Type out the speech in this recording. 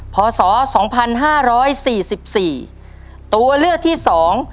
พศสองพันห้าร้อยสี่สิบสี่ตัวเลือกที่สอง